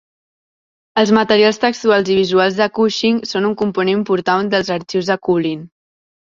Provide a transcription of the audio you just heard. Els materials textuals i visuals de Cushing són un component important dels arxius de Cullin.